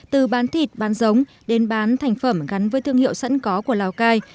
từ bán thịt bán giống đến bán thành phẩm gắn với thương hiệu sẵn có của lào cai